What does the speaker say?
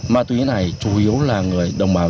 ma túy này chủ yếu là người đồng bào